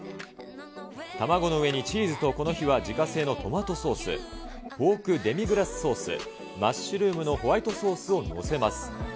卵の上にチーズと、この日は自家製のトマトソース、ポークデミグラスソース、マッシュルームのホワイトソースを載せます。